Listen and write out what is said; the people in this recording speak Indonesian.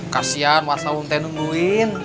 kasian masa untuk nungguin